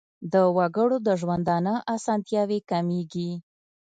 د وګړو د ژوندانه اسانتیاوې کمیږي.